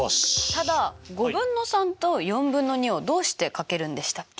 ただ５分の３と４分の２をどうして掛けるんでしたっけ？